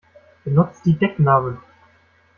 Benutzt die Decknamen!